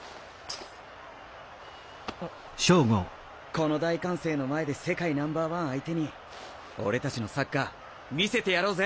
この大歓声の前で世界ナンバー１相手に俺たちのサッカー見せてやろうぜ！